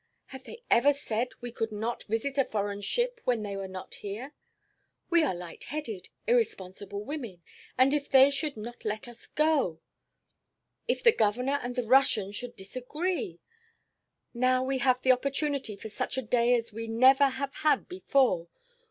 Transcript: Have they ever said we could not visit a foreign ship when they were not here? We are light headed, irresponsible women. And if they should not let us go! If the Governor and the Russian should disagree! Now we have the opportunity for such a day as we never have had before.